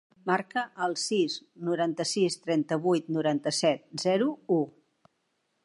Marca el sis, noranta-sis, trenta-vuit, noranta-set, zero, u.